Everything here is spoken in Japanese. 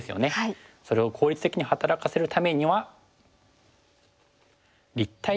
それを効率的に働かせるためには。